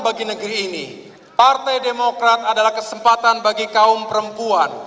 hari ini partai demokrat adalah kesempatan bagi kaum perempuan